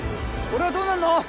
俺はどうなるの？